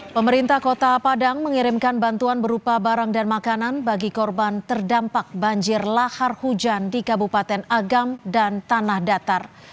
pemerintah kota padang mengirimkan bantuan berupa barang dan makanan bagi korban terdampak banjir lahar hujan di kabupaten agam dan tanah datar